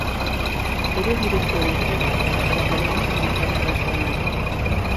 Era director de Shakespeare a l'Acadèmia Americana d'Art Dramàtic.